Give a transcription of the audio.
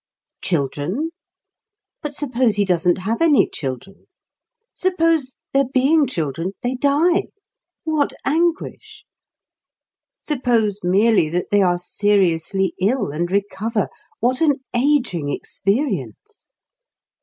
Children? But suppose he doesn't have any children! Suppose, there being children, they die what anguish! Suppose merely that they are seriously ill and recover what an ageing experience!